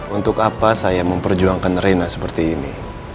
untuk apa saya memperjuangkan rena seperti ini